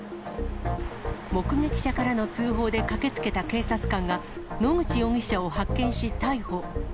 目撃者からの通報で駆けつけた警察官が、野口容疑者を発見し、逮捕。